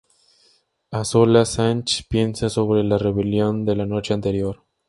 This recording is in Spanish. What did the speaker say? A solas, Sachs piensa sobre la rebelión de la noche anterior.